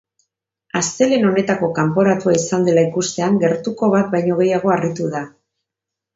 Astelehen honetako kanporatua izan dela ikustean gertuko bat baino gehiago harritu da.